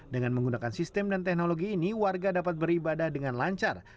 dengan menggunakan sistem dan teknologi ini warga dapat beribadah dengan lancar